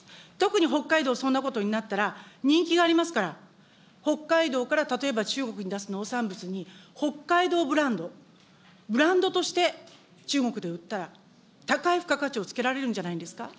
特に北海道、そんなことになったら、人気がありますから、北海道から例えば中国に出す農産物に、北海道ブランド、ブランドとして中国で売ったら、高い付加価値をつけられるんじゃないですか。